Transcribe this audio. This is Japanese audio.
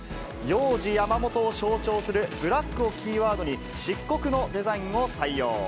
ヨウジヤマモトを象徴するブラックをキーワードに、漆黒のデザインを採用。